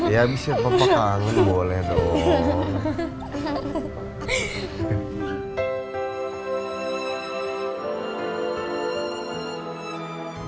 ya abisnya papa kaget boleh dong